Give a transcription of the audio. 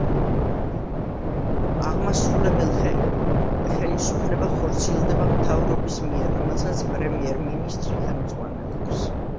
აღმასრულებელ ხელისუფლება ხორციელდება მთავრობის მიერ, რომელსაც პრემიერ-მინისტრი ხელმძღვანელობს.